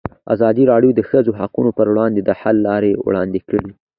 ازادي راډیو د د ښځو حقونه پر وړاندې د حل لارې وړاندې کړي.